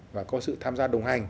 và có sự tham gia đồng hành